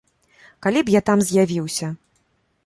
Калі б я там з'явіўся.